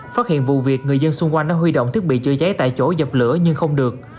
phát hiện vụ việc người dân xung quanh đã huy động thiết bị chữa cháy tại chỗ dập lửa nhưng không được